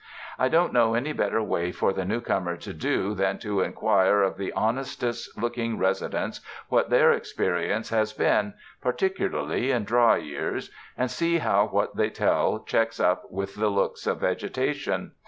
I don't know any better way for the new comer to do than to inquire of the honestest looking residents what their experience has been, particu larly in dry years, and see how what they tell checks up with the looks of vegetation.